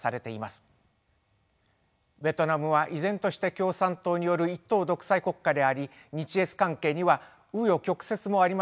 ベトナムは依然として共産党による一党独裁国家であり日越関係にはう余曲折もありました。